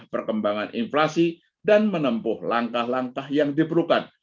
perkembangan inflasi dan menempuh langkah langkah yang diperlukan